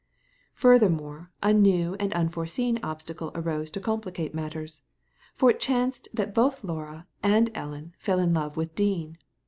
Furthermore a new and unforeseen obstacle arose to complicate matters, for it chanced that both Laura and Ellen fell in love with Dean.